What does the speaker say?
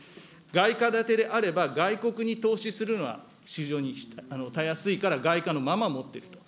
外貨建てであれば、外国に投資するのは非常にたやすいから外貨のまま持ってると。